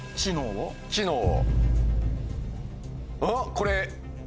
これ。